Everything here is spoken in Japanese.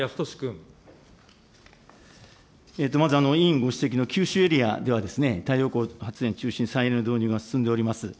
まず、委員ご指摘の九州エリアでは、太陽光発電中心に、再エネの導入が進んでおります。